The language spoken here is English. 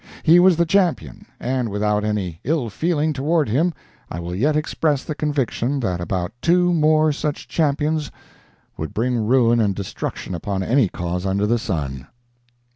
He was the champion; and without any ill feeling toward him I will yet express the conviction that about two more such champions would bring ruin and destruction upon any cause under the sun.